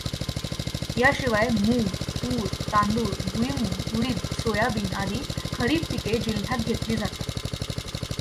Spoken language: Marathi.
याशिवाय मूग, तूर, तांदूळ, भुईमूग, उडीद, सोयाबीन आदी खरीप पिके जिल्ह्यात घेतली जातात.